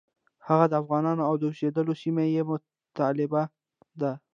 هغه د افغانانو د اوسېدلو سیمه یې مطلب ده.